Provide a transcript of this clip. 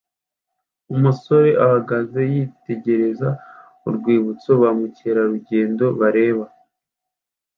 Umuzamu ahagaze yitegereza urwibutso ba mukerarugendo bareba